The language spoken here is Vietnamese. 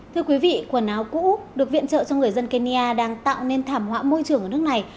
thưa quý vị quần áo cũ được viện trợ cho người dân kenya đang tạo nên thảm họa môi trường ở nước này